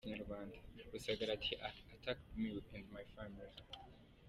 Rusagara ati “He attacked me and my family.